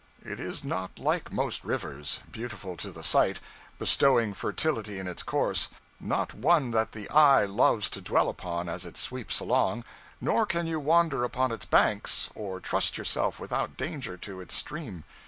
It is not like most rivers, beautiful to the sight, bestowing fertility in its course; not one that the eye loves to dwell upon as it sweeps along, nor can you wander upon its banks, or trust yourself without danger to its stream.